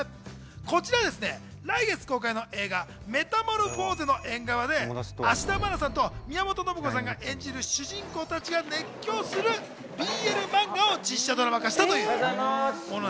こちら来月公開の映画『メタモルフォーゼの縁側』で芦田愛菜さんと宮本信子さんが演じる主人公たちが熱狂するＢＬ漫画を実写ドラマ化したというものです。